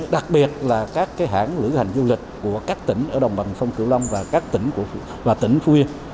đặc biệt là các hãng lữ hành du lịch của các tỉnh ở đồng bằng sông cửu long và tỉnh phú yên